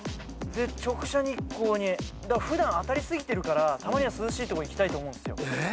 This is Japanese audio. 直射日光に普段当たり過ぎてるからたまには涼しいとこいきたいと思うんすよ。